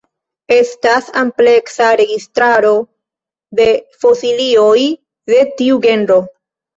Estas ampleksa registraro de fosilioj de tiu genro.